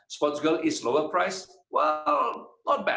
sports girl adalah harga yang lebih rendah